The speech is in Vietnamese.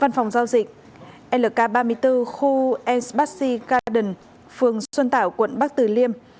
văn phòng giao dịch lk ba mươi bốn khu s bassi garden phường xuân tảo quận bắc tử liêm